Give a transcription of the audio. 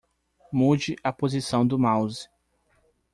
Mude a posição do mouse.